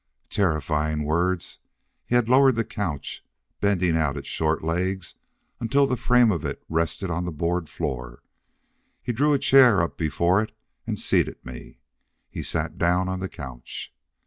Terrifying words! He had lowered the couch, bending out its short legs until the frame of it rested on the board floor. He drew a chair up before it and seated me. He sat down on the couch.